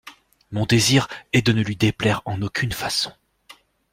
Mon désir est de ne lui déplaire en aucune façon.